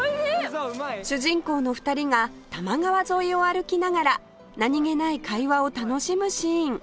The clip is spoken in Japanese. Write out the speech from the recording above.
主人公の２人が多摩川沿いを歩きながら何げない会話を楽しむシーン